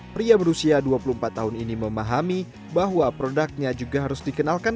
pria berusia dua puluh empat tahun ini memahami bahwa produknya juga harus dikenalkan